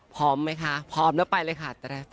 พร้อมไหมคะพร้อมแล้วไปเลยค่ะ